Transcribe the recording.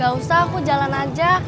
gak usah aku jalan aja